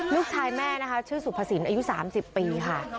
ลูกชายแม่นะคะชื่อสุภสินอายุ๓๐ปีค่ะ